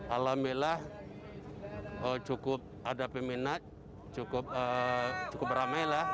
alhamdulillah cukup ada peminat cukup ramai lah